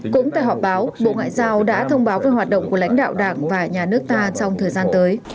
cũng tại họp báo bộ ngoại giao đã thông báo về hoạt động của lãnh đạo đảng và nhà nước ta trong thời gian tới